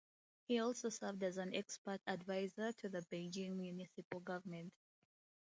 He also served as an expert advisor to the Beijing Municipal Government.